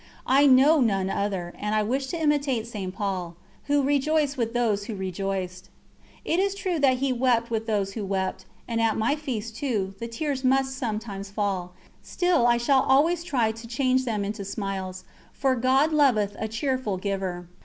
I know none other, and I wish to imitate St. Paul, who rejoiced with those who rejoiced. It is true that he wept with those who wept, and at my feast, too, the tears must sometimes fall, still I shall always try to change them into smiles, for "God loveth a cheerful giver."